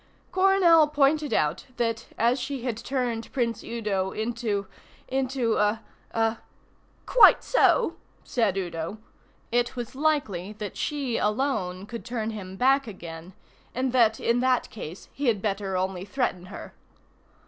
Coronel pointed out that as she had turned Prince Udo into into a a ("Quite so," said Udo) it was likely that she alone could turn him back again, and that in that case he had better only threaten her.